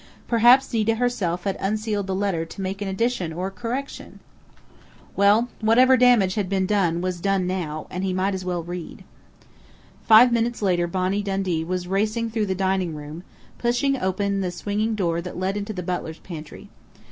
Perhaps Nita herself had unsealed the letter to make an addition or a correction? Well, whatever damage had been done was done now, and he might as well read.... Five minutes later Bonnie Dundee was racing through the dining room, pushing open the swinging door that led into the butler's pantry.